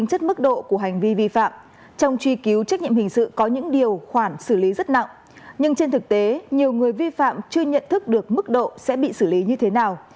trong truy cứu trách nhiệm hình sự có những điều khoản xử lý rất nặng nhưng trên thực tế nhiều người vi phạm chưa nhận thức được mức độ sẽ bị xử lý như thế nào